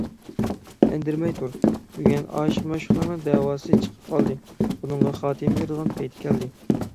ئەندىرىمەي تۇر! بۈگۈن ئاشىق - مەشۇقلارنىڭ دەۋاسى چىقىپ قالدى، بۇنىڭغا خاتىمە بېرىدىغان پەيتى كەلدى.